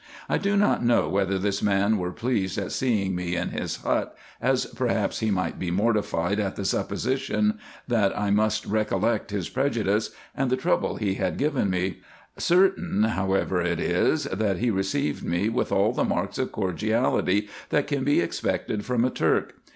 I do not know whether this man were pleased at seeing me in his hut, as perhaps he might be mortified at the supposition, that I must recollect his prejudice, and the trouble he had given me : certain however it is, that he received me with all the marks of cordiality, that can be expected from a Turk.